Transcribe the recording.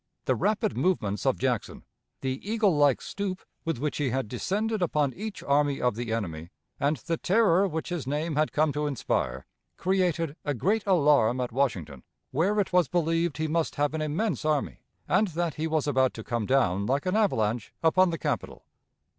The rapid movements of Jackson, the eagle like stoop with which he had descended upon each army of the enemy, and the terror which his name had come to inspire, created a great alarm at Washington, where it was believed he must have an immense army, and that he was about to come down like an avalanche upon the capital.